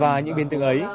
và những biên tướng ấy